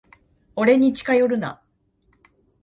俺に近寄るな。